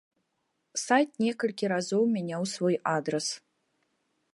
Сайт некалькі разоў мяняў свой адрас.